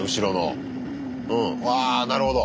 わなるほど。